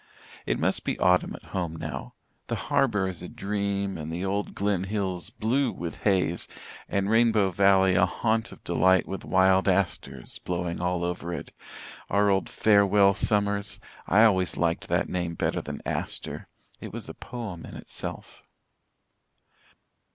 It must be autumn at home now the harbour is a dream and the old Glen hills blue with haze, and Rainbow Valley a haunt of delight with wild asters blowing all over it our old "farewell summers." I always liked that name better than 'aster' it was a poem in itself.